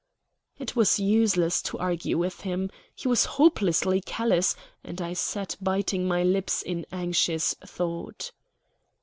It was useless to argue with him. He was hopelessly callous; and I sat biting my lips in anxious thought.